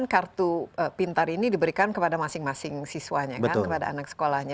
kartu pintar ini diberikan kepada masing masing siswanya kan kepada anak sekolahnya